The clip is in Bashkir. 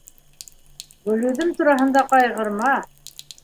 — Гөлйөҙөм тураһында ҡайғырма.